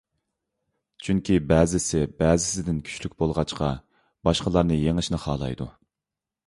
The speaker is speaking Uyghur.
چۈنكى، بەزىسى بەزىسىدىن كۈچلۈك بولغاچقا، باشقىلارنى يېڭىشنى خالايدۇ.